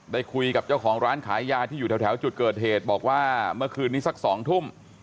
ได้คุยกับเจ้าของร้านขายยาที่อยู่แถวจุดเกิดเหตุบอกว่าเมื่อคืนนี้สัก๒ทุ่ม